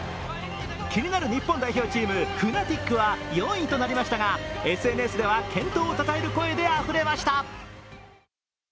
気になる日本代表チーム、ＦＮＡＴＩＣは４位となりましたがＳＮＳでは健闘をたたえる声であふれました。